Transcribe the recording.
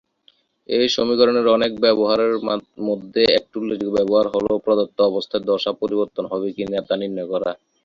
এই সমীকরণের অনেক ব্যবহারের মধ্যে একটি উল্লেখযোগ্য ব্যবহার হলো প্রদত্ত অবস্থায় দশা পরিবর্তন হবে কিনা তা নির্ণয় করা।